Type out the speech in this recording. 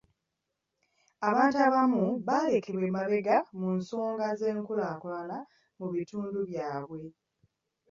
Abantu abamu balekebwa emabega mu nsonga z'enkulaakulana mu bitundu byabwe.